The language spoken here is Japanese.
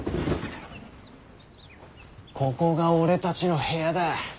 ここが俺たちの部屋だ。